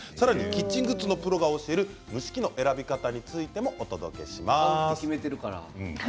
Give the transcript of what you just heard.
キッチングッズのプロが教える蒸し器の選び方についてもお伝えします。